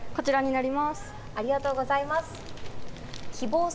ありがとうございます。